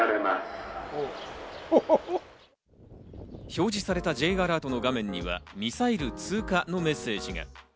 表示されたＪアラートの画面には、ミサイル通過のメッセージが。